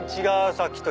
さっきと。